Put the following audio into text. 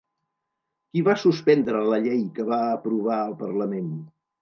Qui va suspendre la llei que va aprovar el parlament?